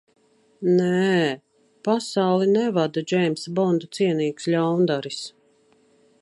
Nē - pasauli nevada Džeimsa Bonda cienīgs ļaundaris.